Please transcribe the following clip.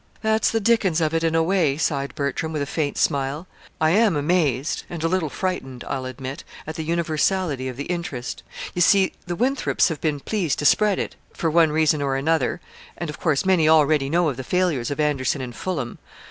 "That's the dickens of it, in a way," sighed Bertram, with a faint smile. "I am amazed and a little frightened, I'll admit at the universality of the interest. You see, the Winthrops have been pleased to spread it, for one reason or another, and of course many already know of the failures of Anderson and Fullam.